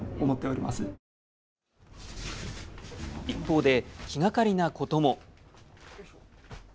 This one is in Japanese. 一方で、気がかりなことも。